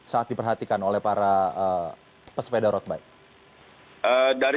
sangat diperhatikan oleh para pesepeda road bike